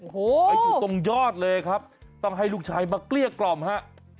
ไปถึงตรงยอดเลยครับต้องให้ลูกชายมาเครียดกล่อมฮะ